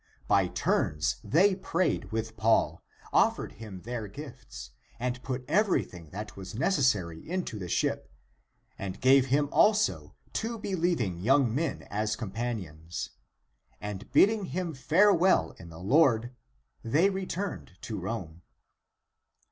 By turns they prayed with Paul, offered him their gifts, and put everything that was necessary into the ship, and gave him also two believing young men as com panions, and bidding him farewell in the Lord they returned to Rome.